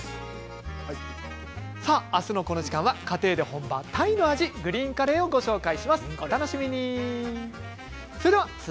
明日のこの時間は家庭で本場タイの味グリーンカレーをご紹介します。